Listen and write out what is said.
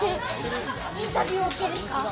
インタビュー、ＯＫですか？